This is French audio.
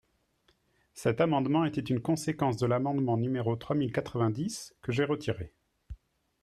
Cet amendement était une conséquence de l’amendement numéro trois mille quatre-vingt-dix, que j’ai retiré.